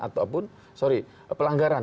ataupun sorry pelanggaran